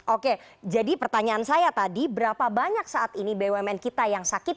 oke jadi pertanyaan saya tadi berapa banyak saat ini bumn kita yang sakit